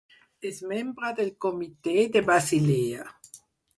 És membre del Comitè de Basilea.